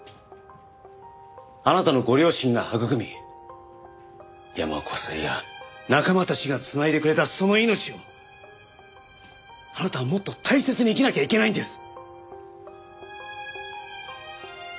あなたのご両親が育み山岡夫妻や仲間たちが繋いでくれたその命をあなたはもっと大切に生きなきゃいけないんです！